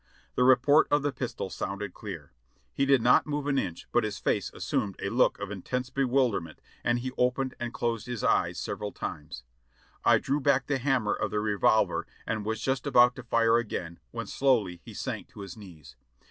The report of the pistol sounded clear. He did not move an inch but his face assumed a look of intense bewilderment and he opened and closed his eyes several times. I drew back the hammer of the revolver and was just about to fire again, when slowly he sank to his knees.